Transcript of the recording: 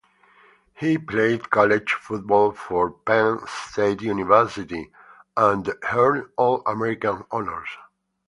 He played college football for Penn State University, and earned all-American honors.